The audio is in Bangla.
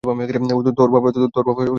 তোর বাবা ধরে ফেলেছে!